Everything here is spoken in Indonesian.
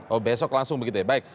oh besok langsung begitu ya